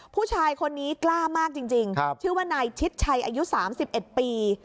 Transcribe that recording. ผู้ชายคนนี้กล้ามากจริงจริงชื่อว่านายชิดชัยอายุสามสิบเอ็ดปี